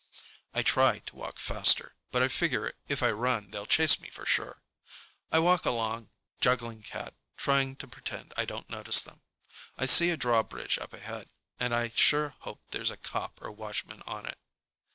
I try to walk faster, but I figure if I run they'll chase me for sure. I walk along, juggling Cat, trying to pretend I don't notice them. I see a drawbridge up ahead, and I sure hope there's a cop or watchman on it.